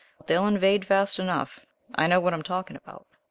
"But they'll invade fast enough. I know what I am talking about."